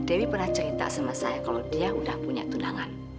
dewi pernah cerita sama saya kalau dia udah punya tunangan